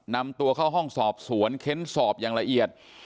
นำตัวเข้าห้องสอบสวนเค้นสอบอย่างละเอียด